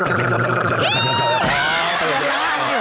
ช่างให้รักไงสวิทธิ์ธรรม